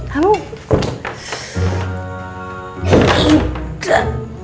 lu mau kemana